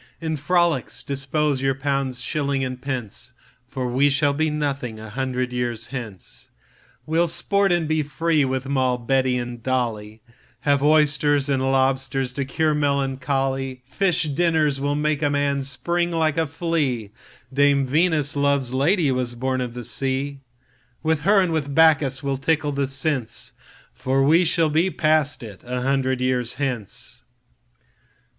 In frolics dispose your pounds, shillings, and pence, For we shall be nothing a hundred years hence. We'll sport and be free with Moll, Betty, and Dolly, Have oysters and lobsters to cure melancholy:Fish dinners will make a man spring like a flea, Dame Venus, love's lady, Was born of the sea:With her and with Bacchus we'll tickle the sense, For we shall be past it a hundred years hence.